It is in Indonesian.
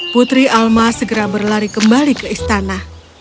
putri alma segera berlari kembali ke istana